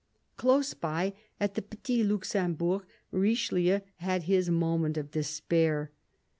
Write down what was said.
Close by, at the Petit Luxembourg, Richelieu had his moment of despair.